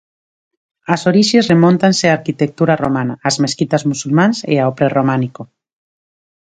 As orixes remóntanse a arquitectura romana, ás mesquitas musulmás e ao prerrománico.